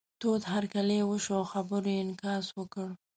تود هرکلی یې وشو او خبرو یې انعکاس وکړ.